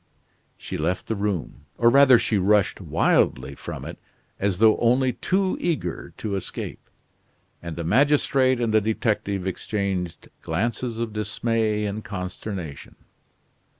She left the room or rather she rushed wildly from it as though only too eager to escape and the magistrate and the detective exchanged glances of dismay and consternation.